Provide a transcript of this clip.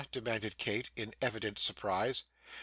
demanded Kate, in evident surprise.